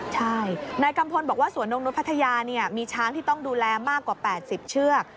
ใช่นายกัมพลบอกว่าสวนนกนุษย์พัทยามีช้างที่ต้องดูแลมากกว่า๘๐เชือก